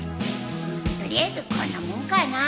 取りあえずこんなもんかな。